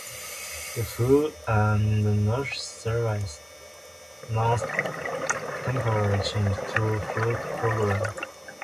The Food and Nutrition Service announced temporary changes to food programs.